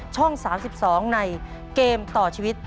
ช่อง๓๒ในเกมต่อชีวิต